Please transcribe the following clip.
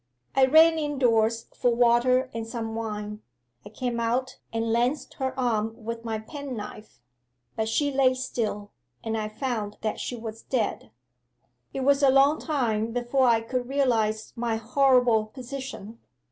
'I ran indoors for water and some wine, I came out and lanced her arm with my penknife. But she lay still, and I found that she was dead. 'It was a long time before I could realize my horrible position.